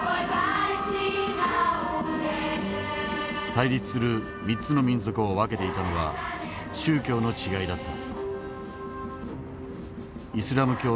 対立する３つの民族を分けていたのは宗教の違いだった。